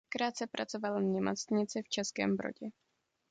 Krátce pracoval v nemocnici v Českém Brodě.